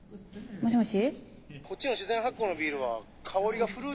もしもし？